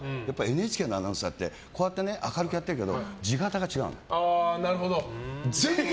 ＮＨＫのアナウンサーってこうやって明るくやってるけど地肩が違うの。